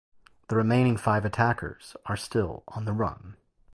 The remaining five attackers are still on the run.